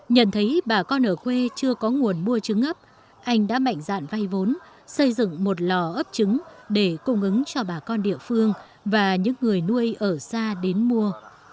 nhận thấy bà con ở quê chưa có nguồn mua trứng ấp anh đã mạnh dạn vay vốn xây dựng một lò ấp trứng để cung ứng cho bà con địa phương và những người nuôi ở xa đến mua